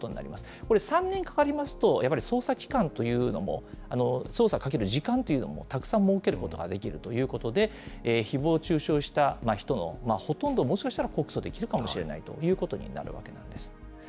これ、３年かかりますと、やっぱり捜査期間というのも、捜査にかける時間というのもたくさん設けることができるということで、ひぼう中傷した人のほとんど、もしかしたら告訴できるかもしれないということになるかもしれないんです。